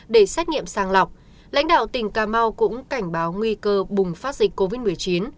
để xét nghiệm sàng lọc lãnh đạo tỉnh cà mau cũng cảnh báo nguy cơ bùng phát dịch covid một mươi chín